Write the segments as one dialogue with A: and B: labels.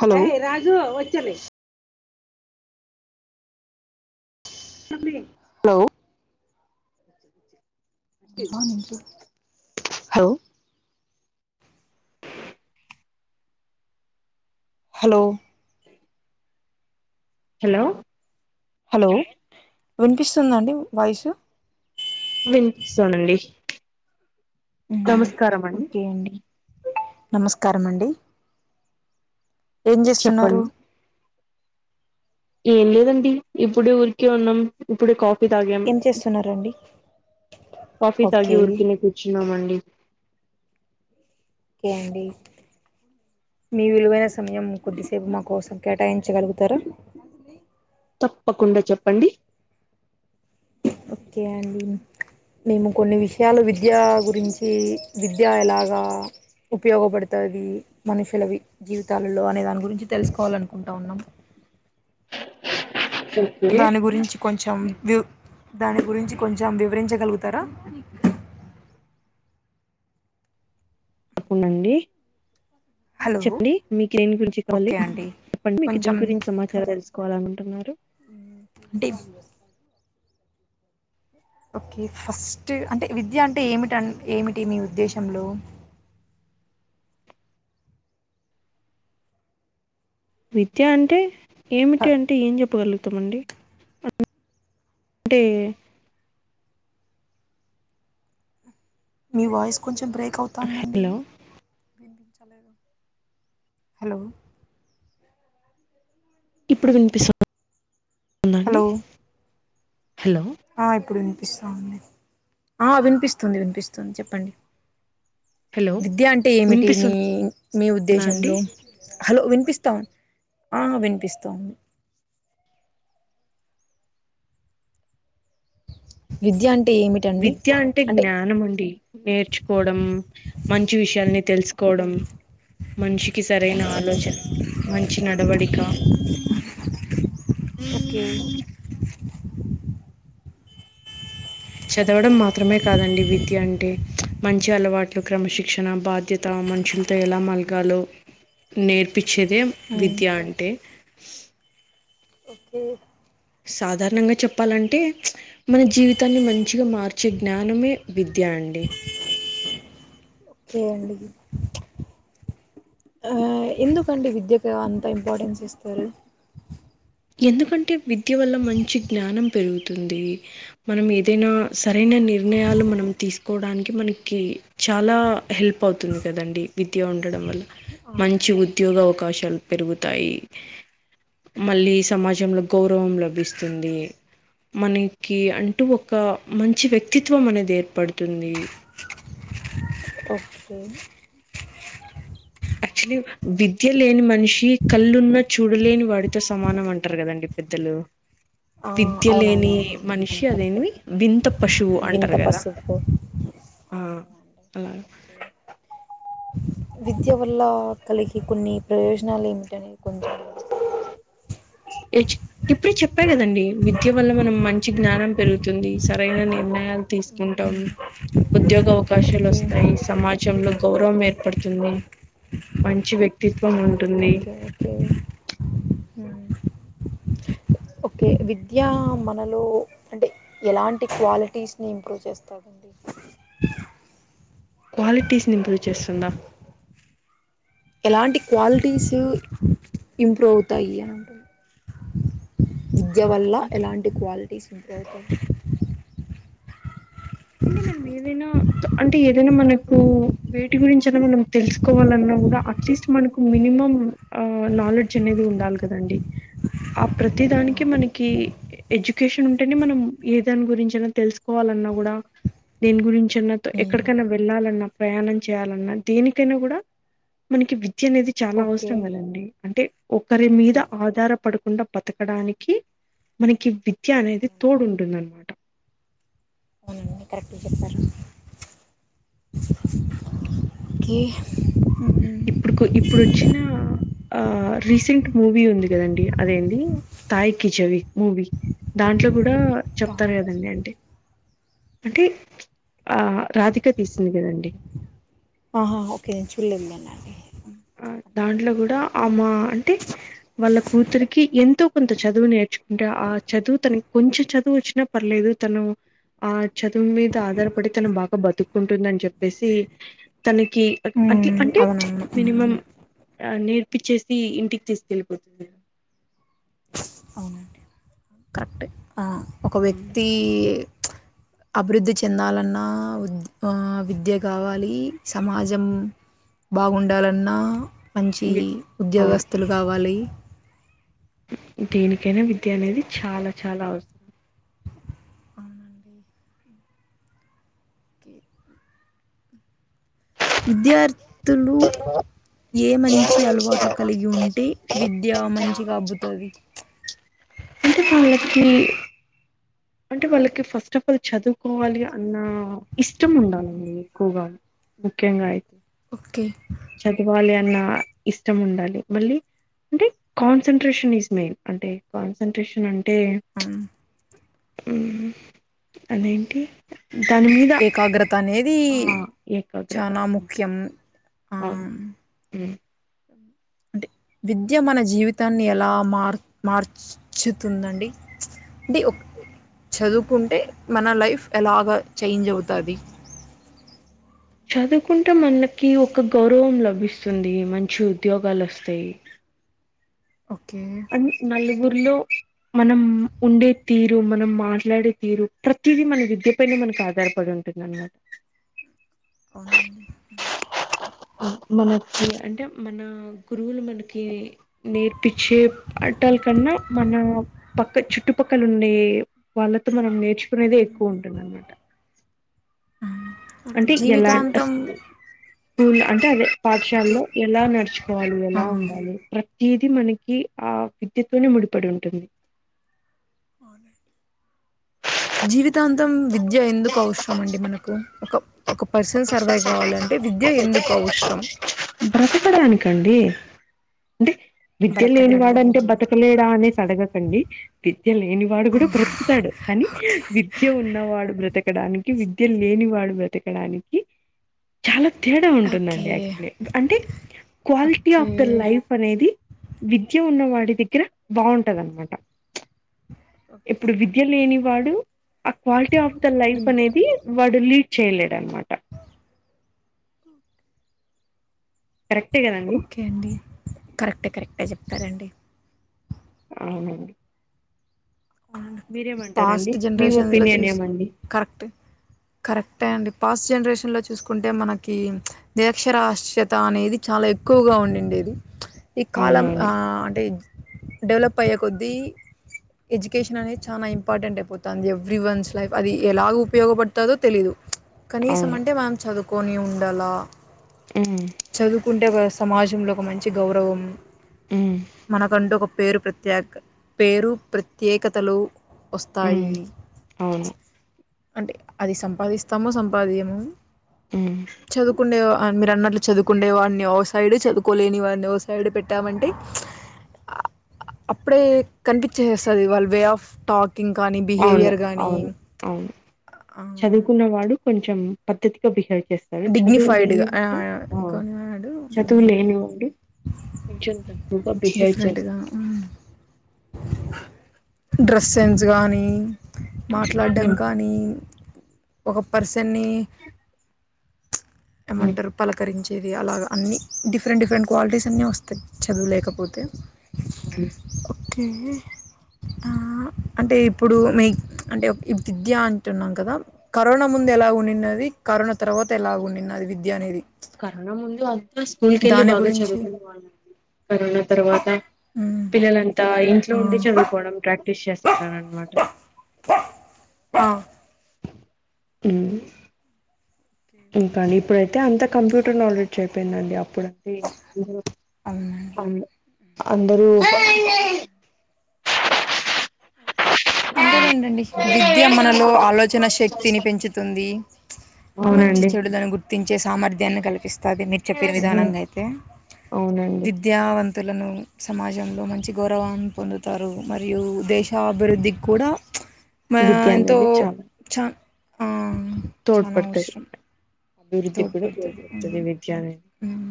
A: Hello hello hello hello
B: hello
A: hello వినిపిస్తుంద అండి voice
B: వినిపిస్తోందండి
A: మ్ ఓకే అండి నమస్కారం అండి ఏం చేస్తున్నారు?
B: చెప్పండి ఏం లేదండి ఇప్పుడే ఊరికే ఉన్నాం ఇప్పుడే కాఫ్ పి తాగాం.
A: ఏం చేస్తున్నారండి
B: కాఫీ తాగి
A: ఓకే
B: ఉరికెనే కూర్చున్నామండి.
A: ఓకె అండి మీ విలువైన సమయం కొద్దిసేపు మా కోసం కేటాయించగలుగుతారా
B: తప్పకుండ చెప్పండి
A: ఓకె అండి మేము కొన్ని విషయాలు విద్య గురించి విద్య ఎలాగ ఉపయోగపడుతాది మనుషులవి జీవితాలలో అనే దాని గురించి తెలుసుకోవాలనుకుంటా ఉన్నాం
B: ఓకే
A: దానిగురించి కొంచెం వివ్ దాని గురించి కొంచెం వివరించ గలుగుతారా
B: తప్పకుండా అండి
A: హలో
B: చెప్పండి మీకీ దేని గురించి కావాలి
A: ఓకే అండి
B: చెప్పండి మీకు
A: కొంచెం
B: దేని గురించి సమాచారం తెలుసుకోవాలనుకుంటున్నారు
A: అంటే ఓకే ఫస్ట్ అంటే విద్య అంటే ఏమిటి ఏమిటి మీ ఉద్దేశంలో
B: విద్య అంటే
A: హ
B: ఏమిటి అంటే ఏం చెప్పగలుగుతామండి టే
A: మీ వాయిస్ కొంచెం బ్రేక్ అవుతుందండి
B: హలో
A: హలో
B: ఇప్పుడు వినిపిస్త
A: హలో
B: హలో
A: ఆ ఇప్పుడు వినిపిస్తాంది ఆ వినిపిస్తుంది వినిపిస్తుంది చెప్పండి
B: హలో
A: విద్య అంటే ఏమిటి మీ
B: వినిపిస్తుందా
A: మీ
B: అండి
A: ఉద్దేశంలో హలో వినిపిస్తా వినిపిస్తాదింది విద్యా అంటే ఏమిటండి
B: విద్య అంటే జ్ఞానం అండి నేర్చుకోవడం మంచి విషయాలని తెలుసుకోవడం
A: ఉ
B: మనిషికి సరైన ఆలోచన మంచి నడవడిక
A: ఓకే
B: చదవడం మాత్రమే కాదండి విద్య అంటే మంచి అలవాట్లు క్రమశిక్షణ బాధ్యత మనుషులతో ఎలా మలగాలో నేర్పి చ్చేదే
A: ఉమ్
B: విద్య అంటే
A: ఓకే
B: సాధారణంగా చెప్పాలంటే మన జీవితాన్ని మంచిగా మార్చే జ్ఞానమే విద్య అండి అండి
A: ఓకే అండి ఆ ఎందుకండి విద్యకు అంత ఇంపార్టెన్స్ ఇస్తారు
B: ఎందుకంటే విద్య వల్ల మంచి జ్ఞానం పెరుగుతుంది మనం ఏదైనా సరైన
A: ఓకే
B: నిర్ణయాలు మనం తీసుకు కోవడానికి మనకి చాలా హెల్ప్ అవుతుంది కదండి విద్య ఉండడం వల్ల
A: ఆ
B: మంచి ఉద్యోగ అవకాశాలు పెరుగుతాయి మళ్ళీ సమాజంలో గౌరవం లభిస్తుంది మనకి అంటూ ఒక మంచి వ్యక్తిత్వం అనేది ఏర్పడుతుంది
A: ఒకే
B: యాక్చులీ విద్య లేని మనిషి కళ్ళున్నా చూడలేని వాడితో సమానం అంటారు కదండి పెద్దలు
A: ఆ
B: విద్య లేని
A: అవునవునండి అవును
B: మనిషి
A: కరెక్టే
B: అదేంది వింత పశువు
A: వింత
B: అంటారు కదా
A: పసుపు
B: ఆ
A: అవునవునండి
B: అలాగ
A: ఓకే విద్య వల్ల కలిగి కొన్ని ప్రయోజనాలు ఏమిటి అనేది కొంచెం వివరిస్తారా
B: ఇప్పుడే చెప్పా కదండి విద్య వల్ల మనం మంచి జ్ఞానం పెరుగుతుంది సరైన నిర్ణయాలు తీసుకుంటాం ఉద్యోగ అవకాశాలు
A: ఓకే
B: వస్తాయి సమాజంలో గౌరవం ఏర్పడుతుంది మంచి వ్యక్తి
A: ఉ ఓకే ఓకే ఉ ఓకే విద్య మనలో అంటే ఎలాంటి క్వాలిటీస్ నీ ఇంప్రూవ్ చేస్తాది అండి
B: క్వాలిటీస్ నీ ఇంప్రూవ్ చేస్తుందా
A: ఎలాంటి క్వాలిటీస్ ఇంప్రూవ్ అవుతాయి అండి విద్య వల్ల ఎలాంటి క్వాలిటీస్ ఇంప్రూవ్ అవుతాయి
B: అంటే మనం ఏదైనా అంటే ఏదైనా మనకు వేటి గురించైన మనం తెలుసు కోవాలన్నా కూడా అట్లీస్ట్ మనకు మినిమం ఆ నాలెడ్జ్ అనేది ఉండాలి కదండి ఆ ప్రతి దానికి మనకి ఎడ్యుకేషన్ ఉంటేనే మనం ఏ దాని గురించైనా తెలుసుకోవాలి కూడా దేని గురించన్న ఎక్కడికైనా వెళ్ళాలన్నా కూడ ప్రయాణం చేయాలన్నా దేనికైనా కూడా మనకి విద్య విద్య అనేది చాలా
A: ఓకే
B: అవసరం కదండి అంటే ఒకరి మీద
A: అవునండి
B: ఆధారపడకుండా బతకడానికి మనకి విద్య అనేది
A: అవునవును
B: తోడుంటుందనమాట
A: అవునండి కరెక్ట్ చెప్పారు క
B: ఇప్పుడు కు ఇప్పుడొచ్చిన ఆ రీసెంట్ మూవీ ఉంది కదండి అదేంది తాయికిి చవి మూవీ దాంట్లో కూడా చెప్తారు కదండి అంటే అంటే ఆ రాధిక తీసింది కదండి
A: ఆహా ఓకే నేను చూడలేదులేండండి
B: ఆ దాంట్లో కూడా అమ్మ అంటే వాళ్ళ కూతురికి ఎంతో కొంత చదువు నేర్చుకుంటే ఆ చదువు తనకి కొంచెం చదువు వచ్చినా పర్లేదు ఏదో తను ఆ చదువు మీద ఆధారపడి తను బాగా బతుకుంటుందని చెప్పేసి తనకి
A: అవును అమ్మ
B: ఆ నేర్పిచ్చేసి ఇంటికి తీసుకెళ్ళిపోతుంది
A: అవునండి కరెక్టే ఆ ఒక
B: ఉమ్,
A: వ్యక్తి అభివృద్ధి చెందాలన్నా ఆ విద్య కావాలి సమాజం బాగుండాలన్నా మంచి
B: వి- అవును
A: ఉద్యోగస్తులు కావాలి
B: దేనికైనా విద్య అనేది చాలా చాలా అవసరం
A: అవునండి ఓకే విద్యార్థులు ఏ మంచి అలవాట్లు కలిగి ఉంటే విద్య మంచిగా అబ్బుతది
B: అంత కాాలకి [unintelligible] అంటే వాళ్ళకి ఫస్ట్ ఆఫ్ ఆల్ చదువుకోవాలి అన్న ఇష్టం ఉండాలండి ఎక్కువగా ముఖ్యంగా అయితే
A: ఓకే
B: నా ఇష్టం ఉండాలి మళ్ళీ అంటే కాన్సన్ట్రేషన్ ఈజ్ మెయిన్ అంటే కాన్సన్ట్రేషన్ అంటే
A: ఉమ్,
B: అంటే అదేంటి దాని మీద
A: ఏకాగ్రత అనేది
B: ఆ ఏకాగ్రత
A: చాలా ముఖ్యం ఆ,
B: అవును మ్
A: అంటే విద్య మన జీవితాన్ని ఎలా మార్ మార్చుతుందండి అంటే చదువుకుంటే మన లైఫ్ ఎలాగ చేంజ్ అవుతది
B: చదువుకుంటే మనకి ఒక గౌరవం లభిస్తుంది మంచి ఉద్యోగాలు వస్తాయి
A: ఓకే
B: అని నలుగురిలో మనం ఉండే తీరు మనం మాట్లాడే తీరు ప్రతిదీ మన విద్య పైనే మనకి ఆధారపడి ఉంటుంది ంటన్నట [unintelligible]
A: అ
B: మనకి అంటే మన గురువులు మనకి నేర్పించే ఆట్టాల్ కన్నా మన పక్క చుట్టుపక్కల ఉండే వాళ్ళతో మనం నేర్చుకునేదే ఎక్కువ ఉంటుందన్నమాట
A: ఆ
B: అంటే ఎలా
A: జీవితాంతం
B: స్కూల్ అంటే అదే
A: ఓకే
B: పాఠశాలలో ఎలా నడుచుకోవాలి
A: ఆ
B: ఎలా ఉండాలి ఏది మనకి ఆ విద్యతోనే ముడిపడి ఉంటుంది
A: అ జీవితాంతం విద్య ఎందుకు అవసరం అండి మనకు ఒక ఒక పర్సన్ సర్వైవ్ కావాలంటే అంటే విద్య ఎందుకు అవసరం
B: బ్రతకడానికి ఏంటి విద్య లేనివాడంటే
A: బ్రతకడానికి
B: బతకలేడా అనేసి అడగకండి విద్య లేనివాడు కూడా బ్రతుకుతాడు కానీ
A: ఓకే
B: విద్య ఉన్నవాడు బ్రతకడానికి విద్య లేని వాడు బ్రతకడానికి చాలా తేడా
A: ఓకే
B: ఉంటుందండి యాక్చువల్లీ అంటే quality
A: okay
B: of the life అనేది విద్య ఉన్నవాడు దగ్గర బాగుంటది అనమాట
A: ఓకే
B: ఇప్పుడు విద్య లేని వాడు ఆ క్వాలిటీ ఆఫ్ ద లైఫ్ అనేది వాడు లీడ్ చేయలేడు అనమాట కరెక్టే కదండి
A: ఓకే అండి కరెక్టే కరెక్టే చెప్తారండి
B: అవునండి
A: అవును
B: మీరేమంటారండి
A: పాస్ట్
B: మీ
A: జనరేషన్స్లో
B: ఒపీనియన్
A: చూసి
B: ఏమండి
A: కరెక్ట్ కరెక్టే అండి పాస్ట్ జనరేషన్లో చూసుకుంటే మనకి నిరక్షరస్యత అనేది చాలా ఎక్కువగా ఉండిండేది ఈ కాలం ఆ
B: అవునవును
A: అంటే డెవలప్ అయ్యే కొద్దీ ఎడ్యుకేషన్ అనేది చాలా ఇంపార్టెంట్ అయిపోతుంది ఎవ్రీ వన్స్ లైఫ్ అది ఎలా ఉపయోగపడుతుందో తెలీదు కనీసం
B: అవును
A: అంటే మనం చదువుకొని ఉండాల
B: ఉమ్,
A: చదువుకుంటే సమాజంలో ఒక మంచి గౌరవం
B: ఉమ్.
A: మనకంటూ ఒక పేరు ప్రత్యేక పేరు ప్రత్యేకతల
B: హ్మ్
A: వస్తాయి
B: అవును
A: అంటే అది సంపాదిస్తాము సంపాదియము
B: అ
A: చదువుకుండే మీరు అన్నట్లు చదువుకుండేవాడిని ఓ సైడు చదువుకోలేని వాడిని ఓ సైడ్ పెట్టామంటే అప్పుడే కనిపించేస్తది వాళ్ళ వే ఆఫ్ టాక్
B: అవును అవును అవును చదువుకున్న వాడు కొంచెం పద్ధతిగా బిహేవ్ చేస్తాడు చదువు లేని
A: డిగ్నిఫైడ్గా
B: వాడు ఆ
A: కొనివాడు
B: చదువు లేని వాడు కొంచెం తక్కువగా బిహేవ్
A: డిఫరెంట్గా
B: చేస్తారు
A: డ్రెస్ సెన్స్ కానీ మాట్లాడటము
B: హ్మ్.
A: కానీ ఒక పర్స దన్ని
B: హ్మ్.
A: ఏమంటారు పలకరించ ది అలాగ అన్నీ డిఫరెంట్ డిఫరెంట్ క్వాలిటీస్ అన్నీ వస్తాయి చదువులేకపోతే
B: అ
A: ఓకే అంటే ఇప్పుడు మే అంటే విద్య అంటున్నాం కదా కరోనా ముందు ఎలా ఉండినది కరోనా తర్వాత ఎలా ఉండిన అది విద్య అనేది
B: కరోనా ముందు అంతా స్కూల్ కి వెళ్ళి
A: దాని
B: బాగా
A: గురించి
B: చదువుకునే వాళ్ళు కరోనా తర్వాత
A: హ్మ్.
B: పిల్లలంతా ఇంట్లో
A: ఆ!
B: ఉండి చదువుకోవడం ప్రాక్టీస్ చెస్ స్తాడు అన్న మాట
A: ఆ!
B: మ్ ఇంకా ని ఇప్పుడైతే అంత కంప్యూటర్ నాలెడ్జ్ అయిపోయిందండి అప్పుడుండి ఏమో అవునండి అందరూ
A: అంతేలేంటండి విద్య మనలో ఆలోచన శక్తిని పెంచుతుంది. మంచి
B: అవునండి
A: చెడులను గుర్తించే సామర్థ్యాన్ని కల్పిస్తాది మీరు చెప్పిన విధానంగా అయితే
B: అవునండి
A: విద్యావన్ తులను సమాజంలో మంచి గౌరవాన్ని పొందుతారు. మరియు దేశాభివృద్ధి కూడా చ్ మె
B: విద్య
A: ఎంతో
B: అనేది చాలా
A: చాన్ ఆ చానా
B: తోడ్పడుతది
A: అవసరం
B: అభివృద్ధికి కూడా
A: తోడ్పడుతుంది
B: తోడ్పడుతది విద్య అనేది
A: ఉమ్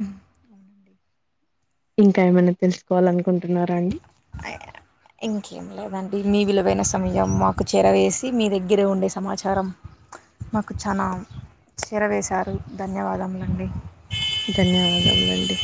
A: మ్ అవునండి
B: ఇంకా ఏమన్నా తెలుసుకోవాల అనుకుంటున్నారా అండి?
A: అయ్య ఇంకేం లేదండి మీ విలువైన సమయం మాకు చేరవేసి మీ దగ్గరే ఉండే సమాచారం మాకు చానా చేరవేశారు ధన్యవాదములండి.
B: ధన్యవాదములు అండి